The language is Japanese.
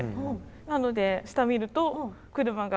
なので下見ると車が。